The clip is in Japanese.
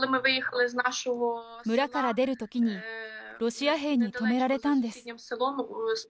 村から出るときに、ロシア兵に止められたんです。